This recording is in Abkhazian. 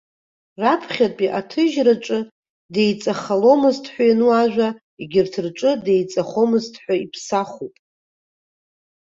Раԥхьатәи аҭыжьраҿы деиҵахаломызт ҳәа иану ажәа, егьырҭ рҿы деиҵахомызт ҳәа иԥсахуп.